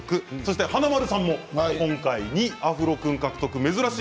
華丸さんも今回２アフロ君獲得珍しい。